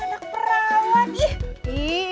anak perawat ih